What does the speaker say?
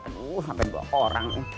aduh sampe dua orang